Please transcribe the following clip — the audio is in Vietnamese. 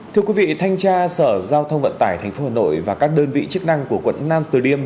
thưa quý vị thanh tra sở giao thông vận tải tp hà nội và các đơn vị chức năng của quận nam từ liêm